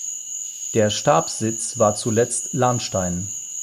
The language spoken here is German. Der Stabssitz war zuletzt Lahnstein.